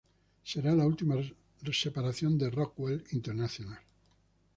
Será la última separación de Rockwell International.